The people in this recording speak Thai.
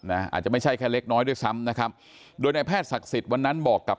อาจจะไม่ใช่แค่เล็กน้อยด้วยซ้ำนะครับโดยนายแพทย์ศักดิ์สิทธิ์วันนั้นบอกกับ